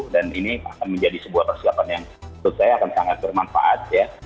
dan ini akan menjadi sebuah persiapan yang menurut saya akan sangat bermanfaat ya